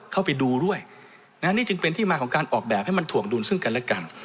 เข้าไปดูด้วยนะนี่จึงเป็นที่มาของการออกแบบให้มันถ่วงดุลซึ่งกันและกัน